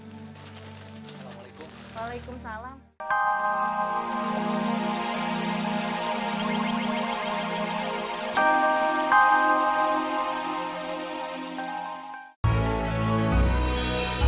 mudah mudahan aja dia ada di minimarketnya